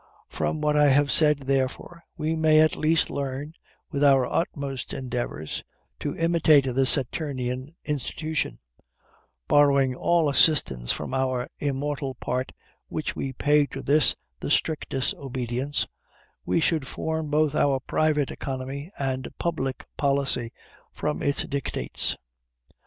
From what I have said, therefore, we may at least learn, with our utmost endeavors, to imitate the Saturnian institution; borrowing all assistance from our immortal part, while we pay to this the strictest obedience, we should form both our private economy and public policy from its dictates.